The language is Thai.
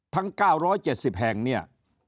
ทั้ง๙๗๐แห่งเนี่ย